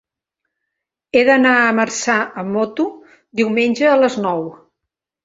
He d'anar a Marçà amb moto diumenge a les nou.